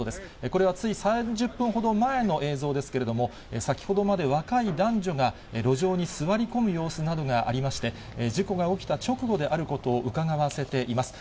これはつい３０分ほど前の映像ですけれども、先ほどまで、若い男女が路上に座り込む様子などがありまして、事故が起きた直後であることをうかがわせています。